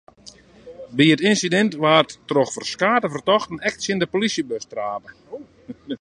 By it ynsidint waard troch ferskate fertochten ek tsjin de polysjebus trape.